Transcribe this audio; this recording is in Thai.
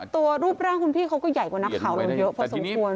ตัวรูปร่างภูมิพี่เขาก็ใหญ่กว่านักข่ารนะครับเพราะที่สมควร